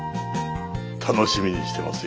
楽しみにしてますよ。